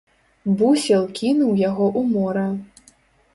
Бусел кінуў яго ў мора.